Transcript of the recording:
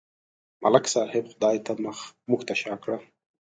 ملک صاحب خدای ته مخ، موږ ته شا کړه.